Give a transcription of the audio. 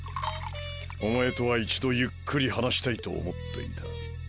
お前とは一度ゆっくり話したいと思っていた。